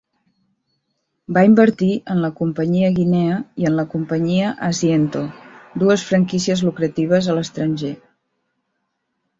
Va invertir en la Companyia Guinea i en la Companyia Asiento, dues franquícies lucratives a l'estranger.